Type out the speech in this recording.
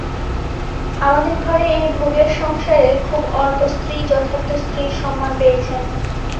আমাদের ঘরে এই ভোগের সংসারে খুব অল্প স্ত্রীই যথার্থ স্ত্রীর সম্মান পেয়েছেন।